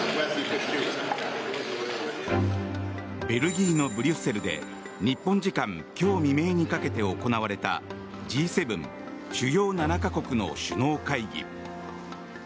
ベルギーのブリュッセルで日本時間今日未明にかけて行われたＧ７・主要７か国の首脳会議。